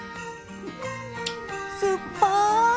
すっぱい！